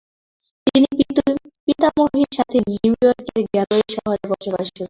তিনি পিতামহীর সাথে নিউ ইয়র্কের গ্যালওয়ে শহরে বসবাস শুরু করেন।